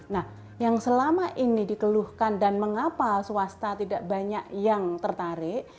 nah yang selama ini dikeluhkan dan mengapa swasta tidak banyak yang tertarik